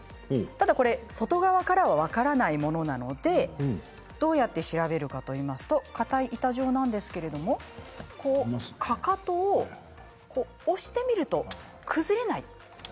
ただこれ、外側からは分からないのでどうやって調べるかというと硬い板状なんですけれどかかとを押してみると崩れない。